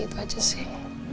itu aja sih